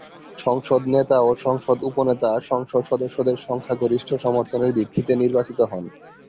সংসদ নেতা ও সংসদ উপনেতা সংসদ সদস্যদের সংখ্যাগরিষ্ঠ সমর্থনের ভিত্তিতে নির্বাচিত হন।